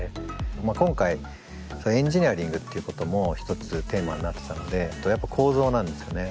今回エンジニアリングっていうことも一つテーマになってたのでやっぱ構造なんですよね。